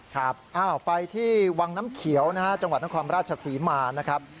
ครับไปที่วังน้ำเขียวนะฮะจังหวัดนครราชศรีมานะครับ